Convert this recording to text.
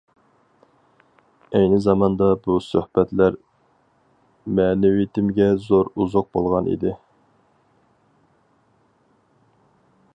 ئەينى زاماندا بۇ سۆھبەتلەر مەنىۋىيىتىمگە زور ئوزۇق بولغان ئىدى.